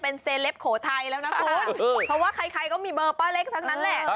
เพราะว่าใครก็มีเบอร์ป้าเล็กซักนั้นแหละ